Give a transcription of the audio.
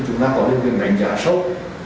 chúng ta có lực lượng đánh giá sâu